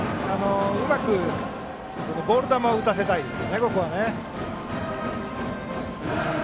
うまくボール球を打たせたいです。